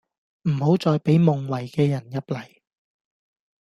唔好再畀夢遺嘅人入嚟